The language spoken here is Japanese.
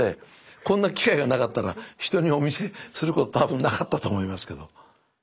こんな機会がなかったら人にお見せする事多分なかったと思いますけど。